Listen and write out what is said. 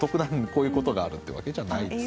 こういうことがあるというわけではないです。